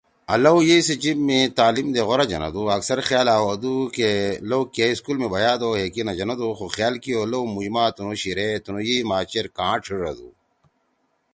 آں لؤ یئی سی جیِب می تعلیم دے غورا جنَدو۔ اکثر خیال أ ہو دُو کہ لؤ کے سکول می بھیادو ہے کی نہ جنَدُو خو خیال کیؤ لؤ مُوش ما تنُو شیِرے تنُو یئی ما چیر کاں ڇھیڙَدُو۔